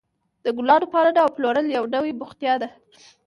د ګلانو پالنه او پلورل یوه نوې بوختیا ده.